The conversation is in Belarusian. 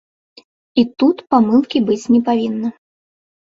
І тут памылкі быць не павінна.